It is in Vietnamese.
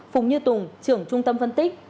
phùng như tùng trưởng trung tâm phân tích